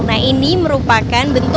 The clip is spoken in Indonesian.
nah ini merupakan bentuk